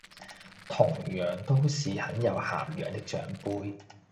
同樣都是很有涵養的長輩